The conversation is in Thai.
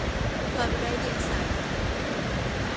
ความไร้เดียงสา